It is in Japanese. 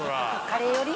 「カレー寄り？」